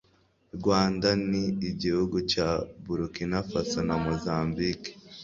rwanda n igihugu cya burkina faso na mozambique